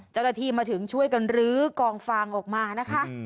เจ้าหน้าที่มาถึงช่วยกันรื้อกองฟางออกมานะคะ